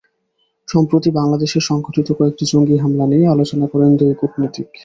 সম্প্রতি বাংলাদেশে সংঘটিত কয়েকটি জঙ্গি হামলা নিয়ে আলোচনা করেন দুই কূটনীতিক।